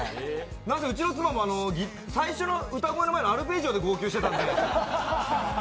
なんせうちの妻も最初の歌声の前のアルペジオで号泣してたんで。